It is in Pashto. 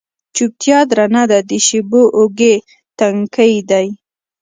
چوپتیا درنه ده د شېبو اوږې، تنکۍ دی